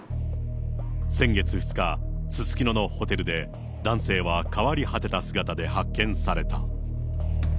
先月２日、すすきののホテルで、男性は変わり果てた姿で発見された。